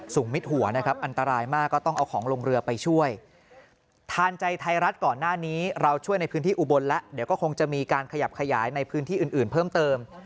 มิดหัวนะครับอันตรายมากก็ต้องเอาของลงเรือไปช่วยทานใจไทยรัฐก่อนหน้านี้เราช่วยในพื้นที่อุบลแล้วเดี๋ยวก็คงจะมีการขยับขยายในพื้นที่อื่นอื่นเพิ่มเติม